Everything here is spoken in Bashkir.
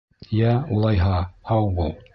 — Йә, улайһа, һау бул.